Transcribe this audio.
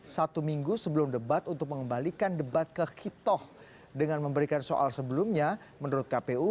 satu minggu sebelum debat untuk mengembalikan debat ke kitoh dengan memberikan soal sebelumnya menurut kpu